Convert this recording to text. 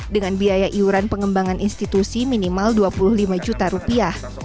dengan biaya iuran pengembangan institusi minimal dua puluh lima juta rupiah